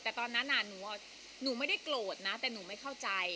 แต่ตอนนั้นหนูไม่ได้โกรธนะแต่หนูไม่เข้าใจ